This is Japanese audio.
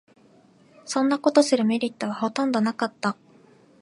そんなことするメリットはほとんどなかった